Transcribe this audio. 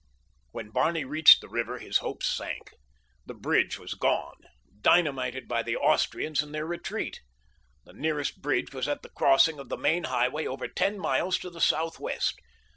When Barney reached the river his hopes sank. The bridge was gone—dynamited by the Austrians in their retreat. The nearest bridge was at the crossing of the main highway over ten miles to the southwest.